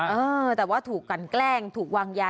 เออแต่ว่าถูกกันแกล้งถูกวางยา